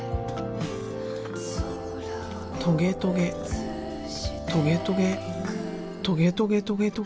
トゲトゲトゲトゲトゲトゲトゲトゲ。